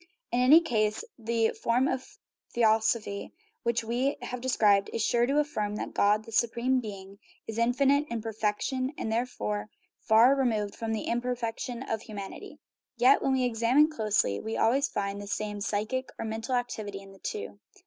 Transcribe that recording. In any case the form of theosophy we have described is sure to affirm that God, the su preme being, is infinite in perfection, and therefore far removed from the imperfection of humanity. Yet, when we examine closely, we always find the same psychic or mental activity in the two.